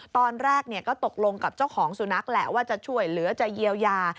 ตอนแรกก็ตกลงกับเจ้าของสุนัขแหละว่าจะช่วยเหลือจะเยียวยา